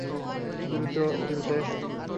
দ্রুত, দ্রুত এসো!